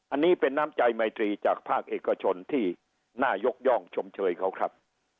อันนี้เป็นน้ำใจไมตรีจากภาคเอกชนที่น่ายกย่องชมเชยเขาครับ